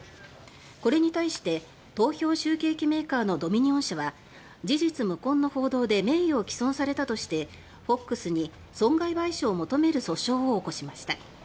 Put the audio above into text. これに対して投票集計機メーカーのドミニオン社は事実無根の報道で名誉を毀損されたとしてＦＯＸに損害賠償を求める訴訟を起こしました。